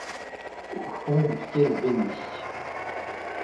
Au fond du ciel béni